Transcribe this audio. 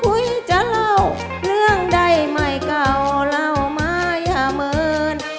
ก่อนจะนอนเอ็นกายเชิญตามสบายอย่าไปมั่วเขิน